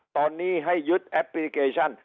ตอนนี้ให้ยึดแอปพลิเคชัน